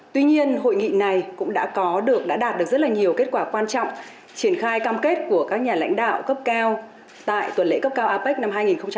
tuy nhiên hội nghị này cũng đã có được đã đạt được rất là nhiều kết quả quan trọng triển khai cam kết của các nhà lãnh đạo cấp cao tại tuần lễ cấp cao apec năm hai nghìn hai mươi